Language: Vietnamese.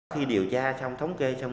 khi điều tra xong thống kê xong